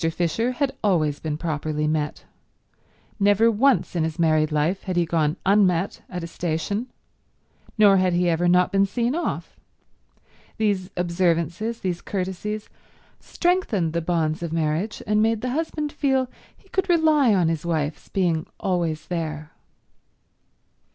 Fisher had always been properly met. Never once in his married life had he gone unmet at a station, nor had he ever not been seen off. These observances, these courtesies, strengthened the bonds of marriage, and made the husband feel he could rely on his wife's being always there.